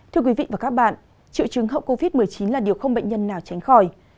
thưa quý vị và các bạn triệu chứng hậu covid một mươi chín là điều không bệnh nhân nào tránh khỏi